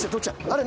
あれ？